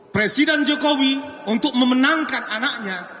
presiden jokowi untuk memenangkan anaknya